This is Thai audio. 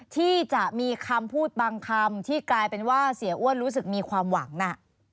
ที่จะมีคำพูดบางคำที่กลายเป็นว่าเสียอ้วนรู้สึกมีความหวังน่ะ